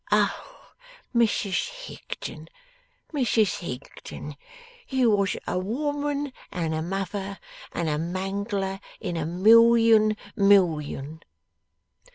O Mrs Higden, Mrs Higden, you was a woman and a mother and a mangler in a million million!